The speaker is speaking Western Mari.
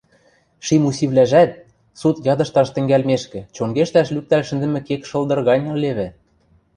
Шим усивлӓжӓт, суд ядышташ тӹнгӓлмешкӹ, чонгештӓш лӱктӓл шӹндӹмӹ кек шылдыр гань ылевӹ